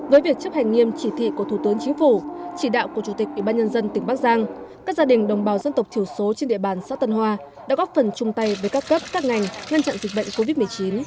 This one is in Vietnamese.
với việc chấp hành nghiêm chỉ thị của thủ tướng chính phủ chỉ đạo của chủ tịch ủy ban nhân dân tỉnh bắc giang các gia đình đồng bào dân tộc thiểu số trên địa bàn xã tân hoa đã góp phần chung tay với các cấp các ngành ngăn chặn dịch bệnh covid một mươi chín